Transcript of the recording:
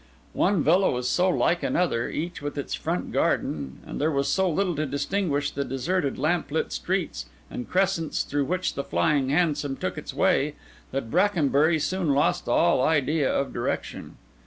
One villa was so like another, each with its front garden, and there was so little to distinguish the deserted lamp lit streets and crescents through which the flying hansom took its way, that Brackenbury soon lost all idea of direction.